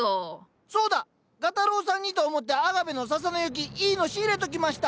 そうだ画太郎さんにと思ってアガベの笹の雪いいの仕入れときました。